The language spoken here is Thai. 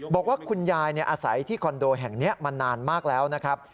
บอกว่าคุณยายอาศัยที่คอนโดแห่งนี้มานานมากแล้วนะครับ